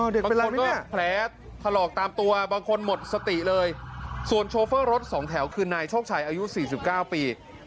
อ๋อเด็กเป็นไรมั้ยแม่แผลถลอกตามตัวบางคนหมดสติเลยส่วนโชเฟอร์รถสองแถวคือนายโชคชัยอายุ๔๙ปี